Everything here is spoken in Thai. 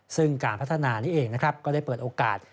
ซึ่งการพัฒนานี้เองนะครับก็ได้เปิดโอกาส